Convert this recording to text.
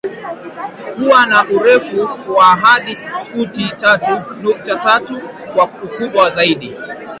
huwa na urefu wa hadi futi tatu nukta tatu kwa ukubwa zaidi